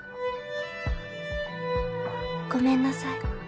「ごめんなさい。